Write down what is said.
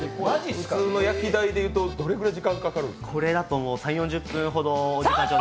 普通の焼き台でいうと、どれぐらい時間がかかるんですか？